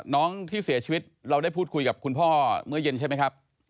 น้องที่เสียชีวิตเราได้พูดคุยกับคุณพ่อเมื่อเย็นใช่ไหมครับ